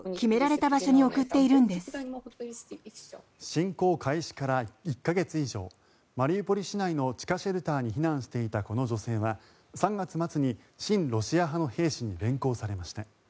侵攻開始から１か月以上マリウポリ市内の地下シェルターに避難していたこの女性は３月末に親ロシア派の兵士に連行されました。